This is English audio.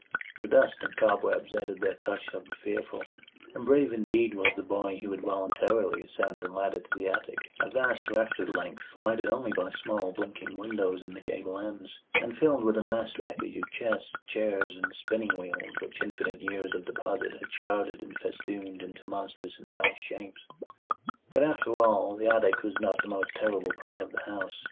The dust and cobwebs added their touch of the fearful; and brave indeed was the boy who would voluntarily ascend the ladder to the attic, a vast raftered length lighted only by small blinking windows in the gable ends, and filled with a massed wreckage of chests, chairs, and spinning wheels which infinite years of deposit had shrouded and festooned into monstrous and hellish shapes. But after all, the attic was not the most terrible part of the house.